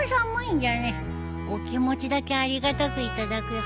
お気持ちだけありがたく頂くよ。